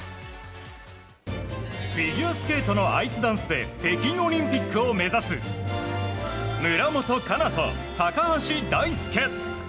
フィギュアスケートのアイスダンスで北京オリンピックを目指す村元哉中と高橋大輔。